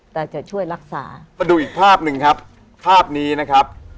แต่จะช่วยรักษามาดูอีกภาพหนึ่งครับภาพนี้นะครับ